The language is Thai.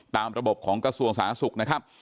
ตามระบบของกระทรวงสาธารณสุขนะครับ